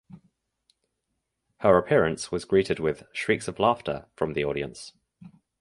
Her appearance was greeted with "shrieks of laughter" from the audience.